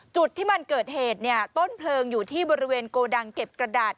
จุดที่มันเกิดเหตุเนี่ยต้นเพลิงอยู่ที่บริเวณโกดังเก็บกระดาษ